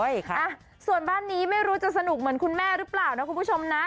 ใช่ค่ะส่วนบ้านนี้ไม่รู้จะสนุกเหมือนคุณแม่หรือเปล่านะคุณผู้ชมนะ